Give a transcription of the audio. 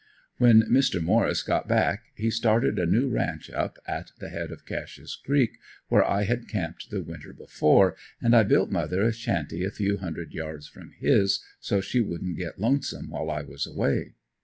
When Mr. Morris got back he started a new ranch up at the head of Cashe's creek, where I had camped the winter before and I built mother a shanty a few hundred yards from his, so she wouldn't get lonesome while I was away.